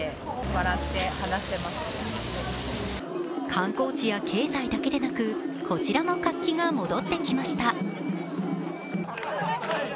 観光地や経済だけでなくこちらも活気が戻ってきました。